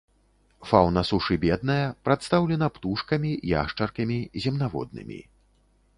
Фаўна сушы бедная, прадстаўлена птушкамі, яшчаркамі, земнаводнымі.